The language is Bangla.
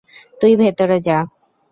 তুই ভেতরে যা।